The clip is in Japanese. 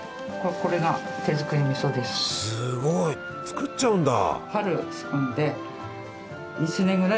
すごい！作っちゃうんだ！